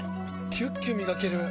キュッキュ磨ける！